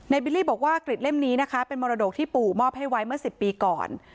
บิลลี่บอกว่ากริดเล่มนี้นะคะเป็นมรดกที่ปู่มอบให้ไว้เมื่อ๑๐ปีก่อน